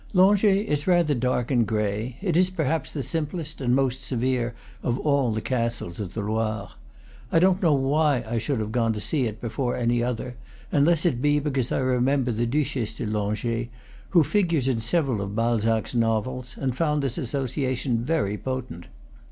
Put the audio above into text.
Langeais is rather dark and gray; it is perhaps the simplest and most severe of all the castles of the Loire. I don't know why I should have gone to see it before any other, unless it be because I remembered the Duchesse de Langeais, who figures in several of Balzac's novels, and found this association very potent.